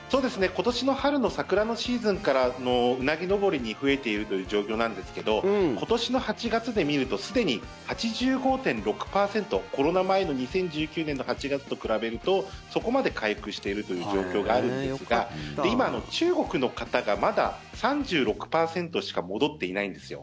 今年の春の桜のシーズンからうなぎ登りに増えているという状況なんですけど今年の８月で見るとすでに８５．６％コロナ前の２０１９年の８月と比べるとそこまで回復しているという状況があるんですが今、中国の方がまだ３６％しか戻っていないんですよ。